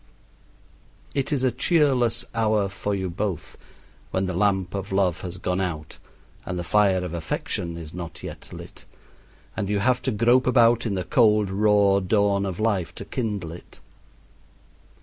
It is a cheerless hour for you both when the lamp of love has gone out and the fire of affection is not yet lit, and you have to grope about in the cold, raw dawn of life to kindle it.